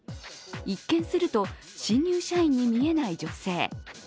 一見すると、新入社員に見えない女性。